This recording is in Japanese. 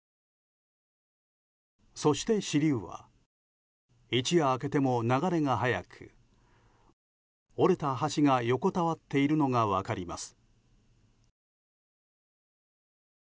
そして、支流は一夜明けても流れが速く折れた橋が横たわっているのが分かります。